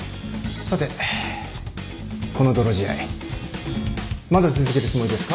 さてこの泥仕合まだ続けるつもりですか？